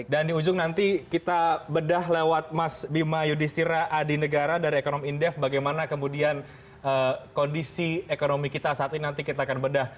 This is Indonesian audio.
dan di ujung nanti kita bedah lewat mas bima yudhistira adi negara dari ekonomi indef bagaimana kemudian kondisi ekonomi kita saat ini nanti kita akan bedah